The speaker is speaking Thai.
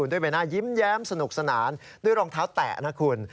ด้วยใบหน้ายิ้มแย้มสนุกสนานด้วยรองเท้าแตะนะคุณ